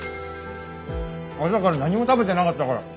朝から何も食べてなかったから。